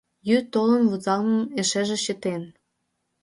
Йӱд толын вузалмым эшеже чытен